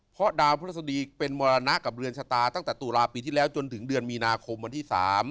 เพราะดาวพระราชดีเป็นมรณะกับเรือนชะตาตั้งแต่ตุลาปีที่แล้วจนถึงเดือนมีนาคมวันที่๓